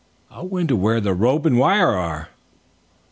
"I wonder where the rope and wire are?"